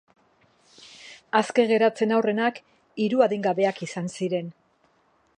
Aske geratzen aurrenak hiru adingabeak izan ziren.